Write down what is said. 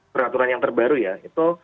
peraturan yang terbaru ya itu